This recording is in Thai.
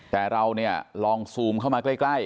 แต่เราเนี่ยลองซูมเข้ามาใกล้